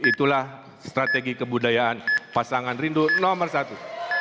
itulah strategi kebudayaan pasangan rindu nomor satu